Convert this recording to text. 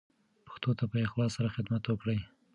پښتو ته په اخلاص سره خدمت وکړئ.